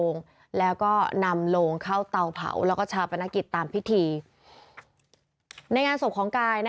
ในงานศพกายนะคะ